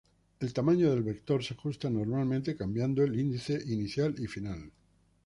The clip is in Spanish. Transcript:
El tamaño del vector se ajusta normalmente cambiando el índice inicial y final.